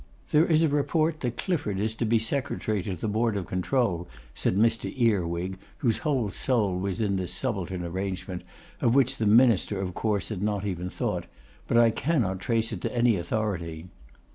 'There is a report that Clifford is to be Secretary to the Board of Control,' said Mr. Earwig, whose whole soul was in this subaltern arrangement, of which the Minister of course had not even thought; 'but I cannot trace it to any authority.